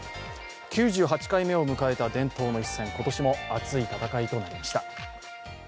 ９８回目を迎えた伝統の一戦、今年も熱い戦いとなりました。